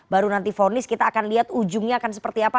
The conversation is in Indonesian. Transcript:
baru nanti fonis kita akan lihat ujungnya akan seperti apa